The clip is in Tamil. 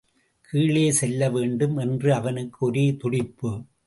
கீழே செல்ல வேண்டும் என்று அவனுக்கு ஒரே துடிப்பு.